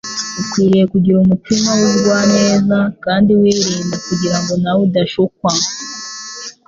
Ukwiriye kugira umutima w'ubugwaneza kandi wirinda " kugira ngo nawe udashukwa.